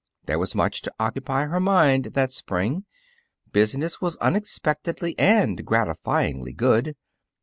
There was much to occupy her mind that spring. Business was unexpectedly and gratifyingly good.